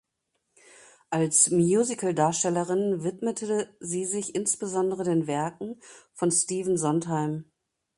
Als Musicaldarstellerin widmete sie sich insbesondere den Werken von Stephen Sondheim.